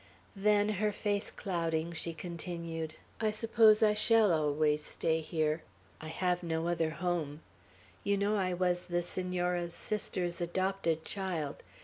Then, her face clouding, she continued: "I suppose I shall always stay here. I have no other home; you know I was the Senora's sister's adopted child.